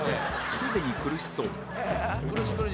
すでに苦しそう